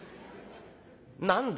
「何だ？